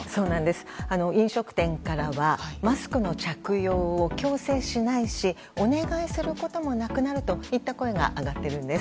飲食店からはマスクの着用を強制しないしお願いすることもなくなるといった声が上がっているんです。